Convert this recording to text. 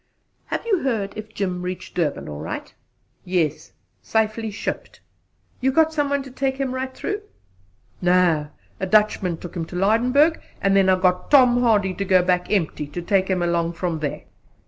"Have you heard if Jim reached Durban all right?" "Yes! Safely shipped." "You got some one to take him right through?" "No! A Dutchman took him to Lydenburg, and I got Tom Hardy, going back empty, to take him along from there."